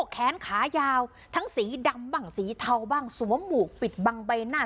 แขนขายาวทั้งสีดำบ้างสีเทาบ้างสวมหมวกปิดบังใบหน้า